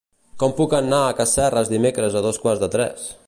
Com puc anar a Casserres dimecres a dos quarts de tres?